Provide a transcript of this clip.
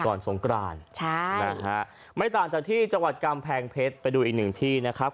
ก่อนทรงกราญใช่ไม่ต่างจากที่จังหวัดกรรมแผงเพชรไปดูอีกหนึ่งที่นะครับ